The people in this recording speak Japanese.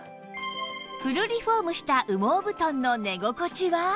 フルリフォームした羽毛布団の寝心地は？